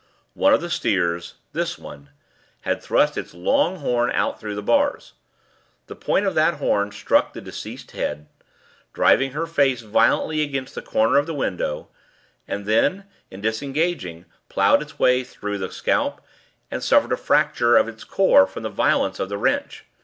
"One of the steers this one had thrust its long horn out through the bars. The point of that horn struck the deceased's head, driving her face violently against the corner of the window, and then, in disengaging, ploughed its way through the scalp, and suffered a fracture of its core from the violence of the wrench.